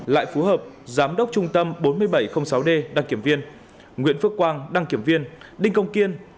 lại phú hợp giám đốc trung tâm bốn nghìn bảy trăm linh sáu d đăng kiểm viên nguyễn phước quang đăng kiểm viên đinh công kiên